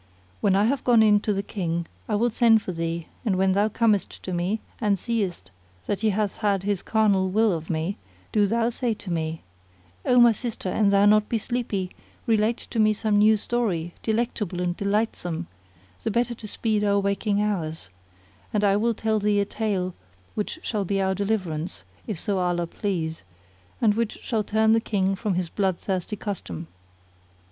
When I have gone into the King I will send for thee and when thou comest to me and seest that he hath had his carnal will of me, do thou say to me:—O my sister, an thou be not sleepy, relate to me some new story, delectable and delightsome, the better to speed our waking hours;" and I will tell thee a tale which shall be our deliverance, if so Allah please, and which shall turn the King from his blood thirsty custom."